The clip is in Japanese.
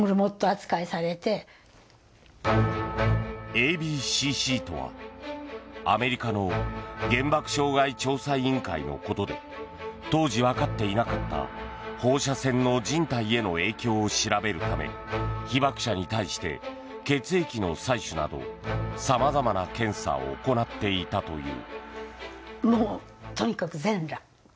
ＡＢＣＣとは、アメリカの原爆傷害調査委員会のことで当時分かっていなかった放射線の人体への影響を調べるため被爆者に対して、血液の採取などさまざまな検査を行っていたという。